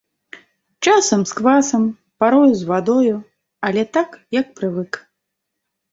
Часам з квасам, парою з вадою, але так, як прывык.